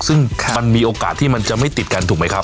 ซึ่งมันมีโอกาสที่มันจะไม่ติดกันถูกไหมครับ